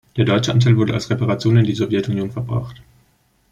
Der deutsche Anteil wurde als Reparation in die Sowjetunion verbracht.